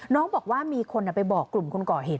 น้องบอกว่ามีคนไปบอกกลุ่มคนก่อเหตุ